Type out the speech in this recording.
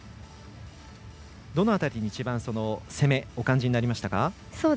どの辺りに一番攻めをお感じになりましたか？